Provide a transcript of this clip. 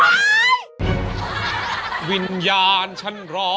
อ้าวยังไงอะตายแน่อย่างเนี้ยหรอ